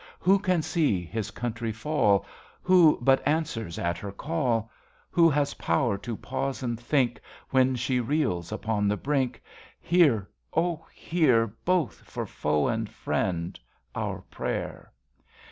Who can see his country fall ? Who but answers at her call? Who has power to pause and think When she reels upon the brink ? Hear, O hear, Both for foe and friend, our prayer.